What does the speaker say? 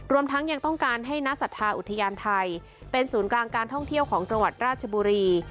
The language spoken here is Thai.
รวมทั้งยังต้องการให้นักศรัทธาอุทยานไทยเป็นศูนย์กลางการท่องเที่ยวของจังหวัดราชบุรี